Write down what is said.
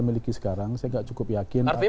miliki sekarang saya gak cukup yakin artinya